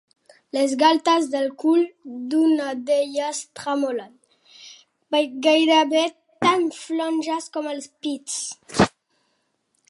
Les galtes del cul d'una d'elles tremolen, gairebé tan flonges com els pits.